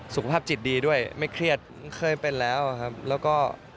สุขภาพจิตดีด้วยไม่เครียดเคยเป็นแล้วครับแล้วก็